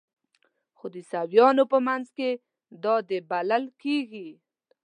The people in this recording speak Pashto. خو د عیسویانو په منځ کې دا د بلل کیږي.